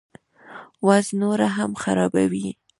وضع نوره هم خرابوي.